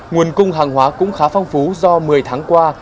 nguồn cung hàng hóa cũng khá phong phú do một mươi tháng qua